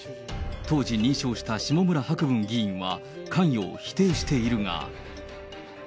当時認証した下村博文議員は関与を否定しているが。